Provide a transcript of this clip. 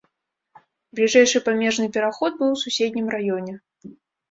Бліжэйшы памежны пераход быў у суседнім раёне.